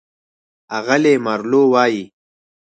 اغلې مارلو وايي: